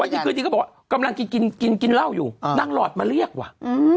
ดีคืนดีก็บอกว่ากำลังกินกินเหล้าอยู่นางหลอดมาเรียกว่ะ